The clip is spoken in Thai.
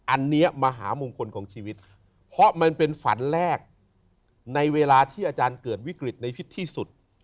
อันนี้มหามงคลของชีวิตเพราะมันเป็นฝันแรกในเวลาที่อาจารย์เกิดวิกฤตในชีวิตที่สุด